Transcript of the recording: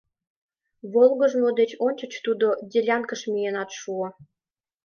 Волгыжмо деч ончыч тудо делянкыш миенат шуо.